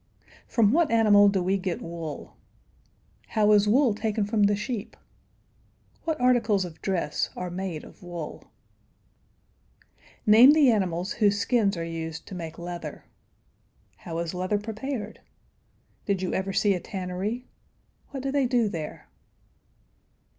From what animal do we get wool? How is wool taken from the sheep? What articles of dress are made of wool? [Illustration: "FROM WHAT ANIMAL DO WE GET WOOL?"] Name the animals whose skins are used to make leather. How is leather prepared? Did you ever see a tannery? What do they do there?